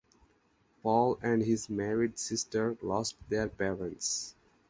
Paul and his married sister lost their parents.